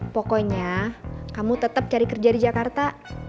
pokoknya kamu tetap cari kerja di jakarta